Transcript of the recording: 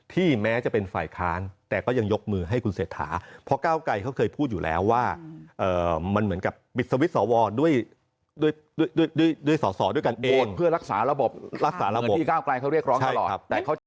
ที่แม้จะเป็นฝ่ายคลานแต่ก็ยังยกมือให้คุณเศรษฐาเพราะเก้าไก่เค้าเคยพูดอยู่แล้วว่ามันเหมือนกับปิดสวิตซ์สวดด้วยสอดด้วยกันเองเพื่อรักษาระบบเหมือนที่เก้าไก่เค้าเรียกร้องตลอด